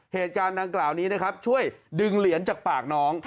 เหตุการณ์ดังกล่าวนี้นะครับช่วยดึงเหรียญจากปากน้อง